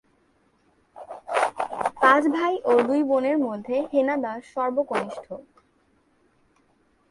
পাঁচ ভাই ও দুই বোনের মধ্যে হেনা দাস সর্ব কনিষ্ঠ।